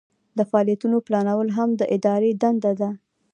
د فعالیتونو پلانول هم د ادارې دنده ده.